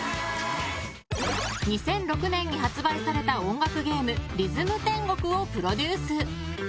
２００６年に発売された音楽ゲーム「リズム天国」をプロデュース。